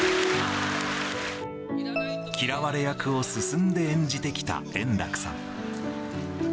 嫌われ役を進んで演じてきた円楽さん。